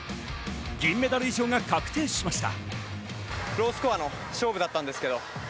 銀メダル以上が確定しました。